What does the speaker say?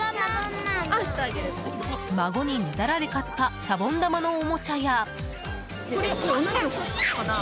孫にねだられ買ったシャボン玉のおもちゃや。